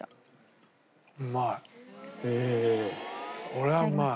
これはうまい。